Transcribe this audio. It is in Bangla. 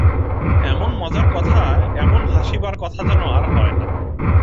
এমন মজার কথা, এমন হাসিবার কথা যেন আর হয় না।